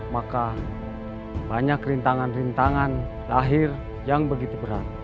maka banyak rintangan rintangan lahir yang begitu berat